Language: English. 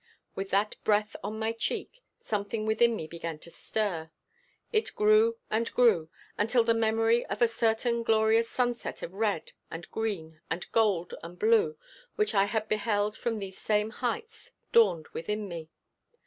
With that breath on my cheek, something within me began to stir. It grew, and grew, until the memory of a certain glorious sunset of red and green and gold and blue, which I had beheld from these same heights, dawned within me.